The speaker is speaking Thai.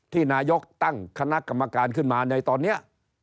นายกตั้งคณะกรรมการขึ้นมาในตอนนี้